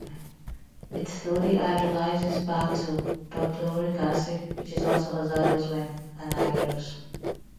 It slowly hydrolyzes back to perchloric acid, which is also hazardous when anhydrous.